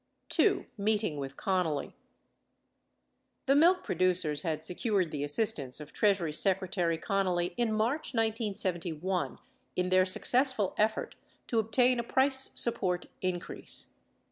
2. MEETING WITH CONNALLY The milk producers had secured the assistance of Treasury Secretary Connally in March 1971 in their successful effort to obtain a price sup port increase.